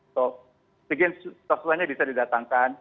so mungkin sesuanya bisa didatangkan